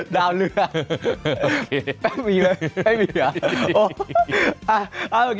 ดาวเรือแป๊บมีเลยแป๊บมีเหรอ